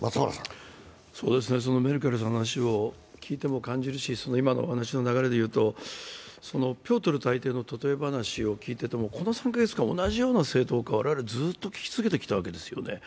メルケルさんの話を聞いても感じるし今のお話の流れで言うと、ピョートル大帝の例え話を聞いていてもこの３カ月間、同じような正当化をずっと我々は聞き続けてきたわけです。